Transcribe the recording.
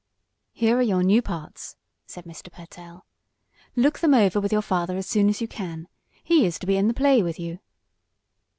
"Here are your new parts," said Mr. Pertell. "Look them over with your father as soon as you can. He is to be in the play with you."